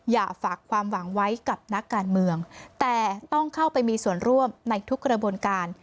อย่าฝากความหวังไว้กับนักการเมืองแต่ต้องเข้าไปมีส่วนร่วมในทุกกระบวนการ